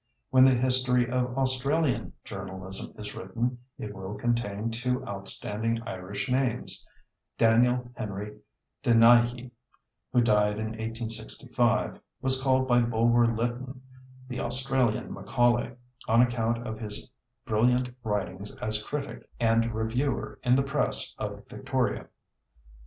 When the history of Australian journalism is written it will contain two outstanding Irish names: Daniel Henry Deniehy, who died in 1865, was called by Bulwer Lytton "the Australian Macaulay" on account of his brilliant writings as critic and reviewer in the press of Victoria.